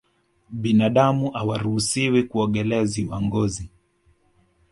binadamu hawaruhusiwi kuogelea ziwa ngosi